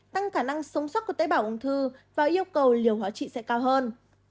tăng khả năng sống sót của tế bào ung thư và yêu cầu liều hóa trị sẽ cao hơn